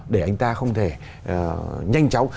để anh ta không thể nhanh chóng